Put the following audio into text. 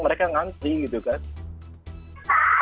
mereka ngantri gitu kang